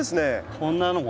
こんなのも。